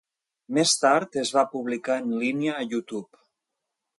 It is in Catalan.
Més tard es va publicar en línia a YouTube.